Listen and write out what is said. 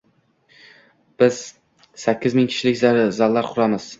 Biz sakkiz ming kishilik zallar quramiz.